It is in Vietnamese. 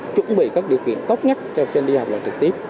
chuẩn bị các điều kiện tốt nhất cho sinh đi học là trực tiếp